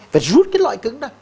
phải rút cái lõi cứng ra